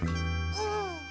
うん。